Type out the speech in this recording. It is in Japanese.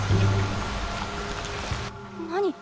何？